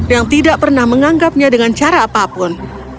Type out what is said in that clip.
yang tidak pernah menganggapnya dengan cara apapun